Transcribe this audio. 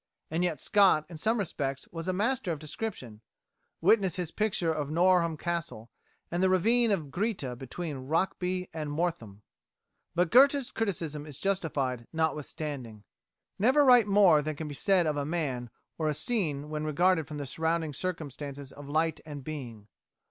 And yet Scott in some respects was a master of description witness his picture of Norham Castle and of the ravine of Greeta between Rokeby and Mortham. But Goethe's criticism is justified notwithstanding. Never write more than can be said of a man or a scene when regarded from the surrounding circumstances of light and being.